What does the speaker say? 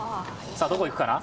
どこへ行くかな。